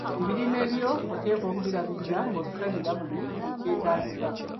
Ebirime byo oteekwa okubirabirira, ng‘obisalira buli lwekyetaagisa.